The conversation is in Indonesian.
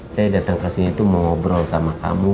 saya datang ke sini itu mau ngobrol sama kamu